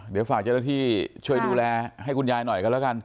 เดี๋ยวฝากเจ้าหน้าที่ช่วยดูแลให้คุณยายหน่อยกันแล้วกัน